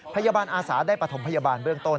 พยาบาลอาศาสน์ได้ปฐมพยาบาลเบื้องต้น